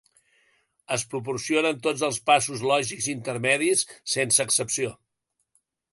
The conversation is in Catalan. Es proporcionen tots els passos lògics intermedis, sense excepció.